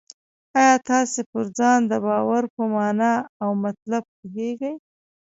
آیا تاسې پر ځان د باور په مانا او مطلب پوهېږئ؟